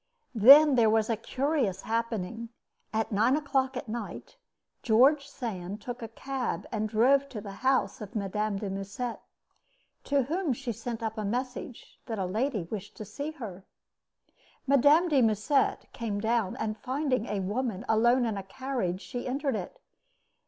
Then there was a curious happening. At nine o'clock at night, George Sand took a cab and drove to the house of Mme. de Musset, to whom she sent up a message that a lady wished to see her. Mme. de Musset came down, and, finding a woman alone in a carriage, she entered it.